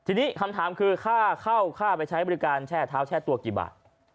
ทีนี้คำถามคือค่าเข้าค่าไปใช้บริการแช่เท้าแช่ตัวกี่บาท